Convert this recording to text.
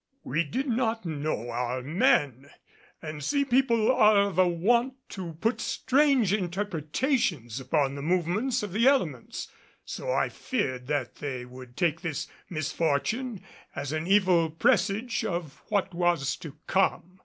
We did not know our men; and sea people are of a wont to put strange interpretations upon the movements of the elements, so I feared that they would take this misfortune as an evil presage of what was to come.